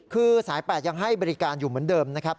คือสาย๘ยังให้บริการอยู่เหมือนเดิมนะครับ